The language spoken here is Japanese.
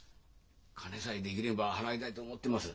金さえできれば払いたいと思ってます。